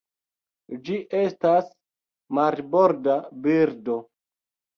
Ĝi estas marborda birdo.